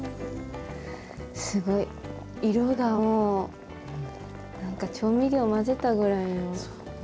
すごい！色がもう何か調味料混ぜたぐらいのね。